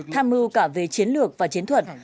tham mưu cả về chiến lược và chiến thuật